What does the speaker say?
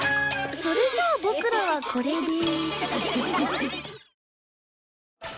それじゃあボクらはこれで。